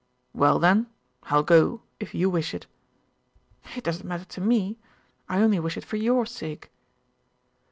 "Well, then, I'll go if you wish it." "It doesn't matter to me. I only wish it for your sake."